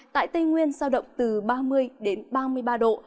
tại tây nguyên giao động từ ba mươi đến ba mươi ba độ